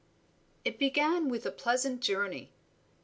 It began with a pleasant journey.